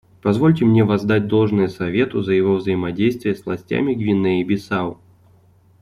Позвольте мне воздать должное Совету за его взаимодействие с властями Гвинеи-Бисау.